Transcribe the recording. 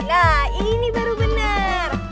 nah ini baru bener